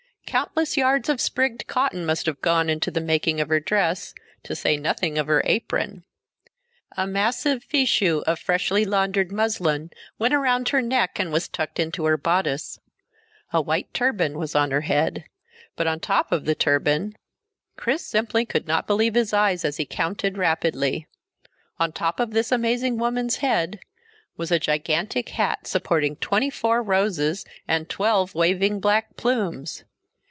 Countless yards of sprigged cotton must have gone into the making of her dress, to say nothing of her apron. A massive fichu of freshly laundered muslin went around her neck and was tucked into her bodice; a white turban was on her head, but on top of the turban ! Chris simply could not believe his eyes as he counted rapidly. On top of this amazing woman's head was a gigantic hat supporting twenty four roses and twelve waving black plumes!